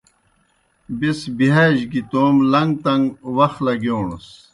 بیْس بِہاج گیْ توموْ لݩگ تݩگ وخ لگِیوݨنَس۔